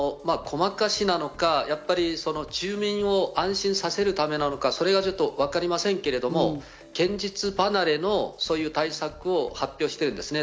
それがね、ごまかしなのか、住民を安心させるためなのかわかりませんけれども、現実離れのそういう対策を発表してるんですね。